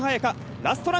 ラストラン。